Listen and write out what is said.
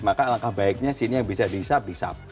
maka langkah baiknya sini yang bisa disap disap